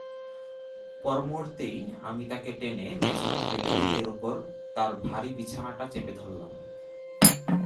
পরমুহুর্তেই আমি তাকে টেনে মেঝেতে ফেলে বুকের উপর তার ভারি বিছানাটা চেপে ধরলাম।